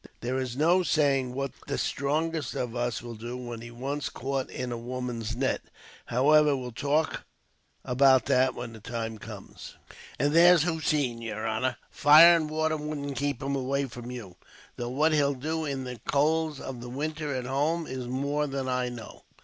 There is no saying what the strongest of us will do, when he's once caught in a woman's net. However, we'll talk of that when the time comes." "And there's Hossein, yer honor. Fire and water wouldn't keep him away from you, though what he'll do in the colds of the winter at home is more than I know.